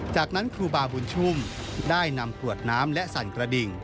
จากนั้นครูบาบุญชุ่มได้นำกรวดน้ำและสั่นกระดิ่ง